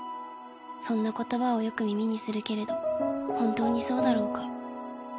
そんな言葉をよく耳にするけれど本当にそうだろうか？